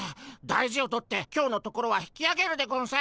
大事を取って今日のところは引きあげるでゴンス。